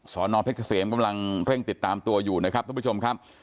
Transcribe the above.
นเพชรเกษมกำลังเร่งติดตามตัวอยู่นะครับทุกผู้ชมครับ